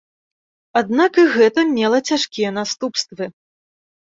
Аднак і гэта мела цяжкія наступствы.